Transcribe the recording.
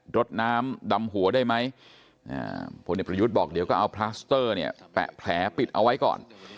รถน้ำดำหัวได้ไหมพลเอกประยุทธ์บอกเดี๋ยวก็เอาพลาสเตอร์เนี่ยแปะแผลปิดเอาไว้ก่อน